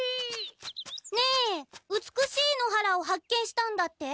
ねえ美しい野原を発見したんだって？